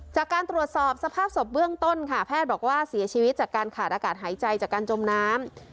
จากการตรวจสอบสภาพศพเบื้องต้นค่ะแพทย์บอกว่าเสียชีวิตจากการขาดอากาศหายใจจากการจมน้ำ